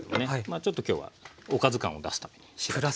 ちょっと今日はおかず感を出すためにしらたき。